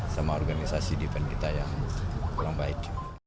sama organisasi defense kita yang kurang baik